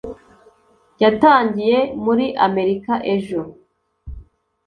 yatangiye muri amerika ejo